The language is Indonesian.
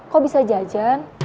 kok bisa jajan